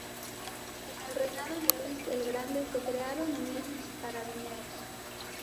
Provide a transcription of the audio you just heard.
En el reinado de Luis el Grande se crearon en ellos Carabineros.